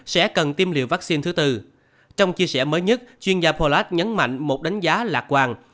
sẽ cần tiêm liều vắc xin thứ bốn trong chia sẻ mới nhất chuyên gia pollard nhấn mạnh một đánh giá lạc quan